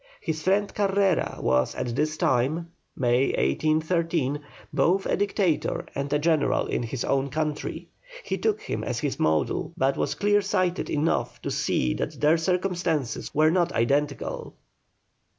His friend Carrera was at this time (May, 1813), both a dictator and a general in his own country; he took him as his model, but was clear sighted enough to see that their circumstances were not identical.